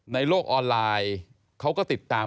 ในโลกออนไลน์เขาก็ติดตาม